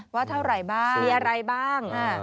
ว่าเท่าไหร่บ้างมีอะไรบ้าง